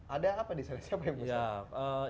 ada apa di sana siapa yang punya